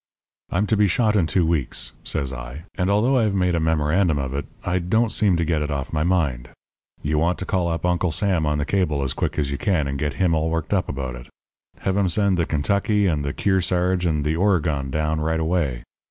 "'I'm to be shot in two weeks,' says I. 'And although I've made a memorandum of it, I don't seem to get it off my mind. You want to call up Uncle Sam on the cable as quick as you can and get him all worked up about it. Have 'em send the Kentucky and the Kearsarge and the Oregon down right away.